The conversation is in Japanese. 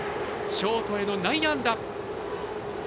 ショートへの内野安打。